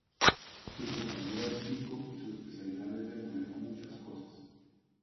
Su compañera es Miko y su especialidad es demoler muchas cosas.